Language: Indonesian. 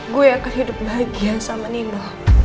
gue akan hidup bahagian sama nindo